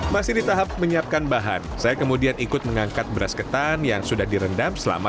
masih di tahap menyiapkan bahan saya kemudian ikut mengangkat beras ketan yang sudah direndam selama